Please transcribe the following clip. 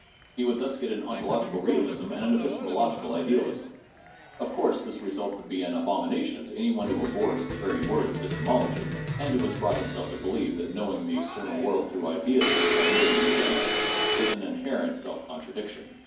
He would thus get an ontological realism and an epistemological idealism. Of course, this result would be an abomination to any one who abhors the very word epistemology, and who has brought himself to believe that "knowing the external world through ideas which are merely within us is "" an inherent self contradiction."